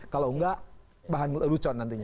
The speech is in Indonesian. kalau enggak bahan lelucon nantinya